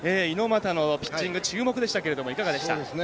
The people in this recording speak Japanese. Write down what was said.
猪俣のピッチング注目でしたけどいかがでした？